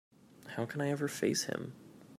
How can I ever face him?